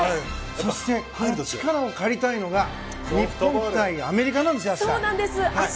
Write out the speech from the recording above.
そしてこの力を借りたいのが日本対アメリカなんです明日。